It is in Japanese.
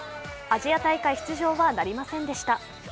アジア大会出場はなりませんでした。